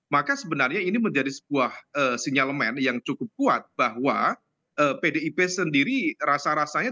maka sebenarnya ini menjadi sebuah sinyalemen yang cukup kuat bahwa pdip sendiri rasa rasanya